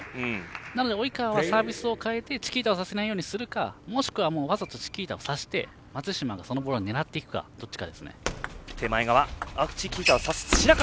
なので及川はサービスを変えてチキータをさせないようにするかもしくはわざとチキータをさせて松島がそのボールを狙っていくかどっちかですね。